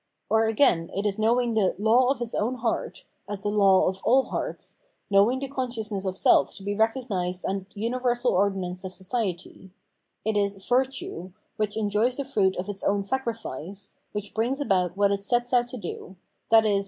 Or, again, it is knowing the law of his own heart ''f as the law of all hearts, know ing the consciousness of self to be the recognised and universal ordinance of society: it is virtue, which enjoys the fruits of its own sacrifice, which brings about what it sets out to do, viz.